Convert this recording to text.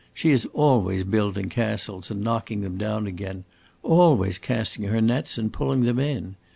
She is always building castles and knocking them down again always casting her nets and pulling them in.